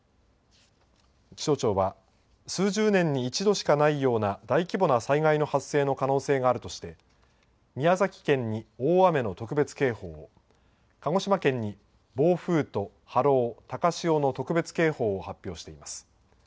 気象庁は、数十年に一度しかないような大規模な災害の発生の可能性があるとして、宮崎県に大雨の特別警報、鹿児島県に暴風と波浪、高潮の特別警報を発表していま。